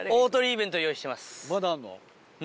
まだあるの？